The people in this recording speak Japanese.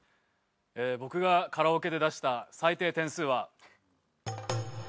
僕がカラオケで出した最低点数は。